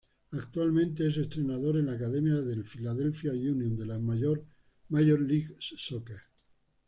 Actualmente es entrenador en la academia del Philadelphia Union de la Major League Soccer.